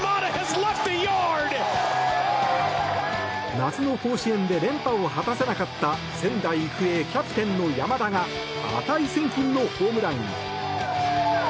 夏の甲子園で連覇を果たせなかった仙台育英キャプテンの山田が値千金のホームラン。